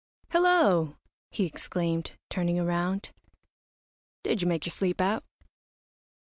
"Hello!" he exclaimed, turning around, "did you make your sleep out?"